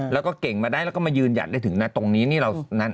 แล้วก็เก่งมาได้แล้วก็มายืนหยัดได้ถึงนะตรงนี้นี่เรานั้น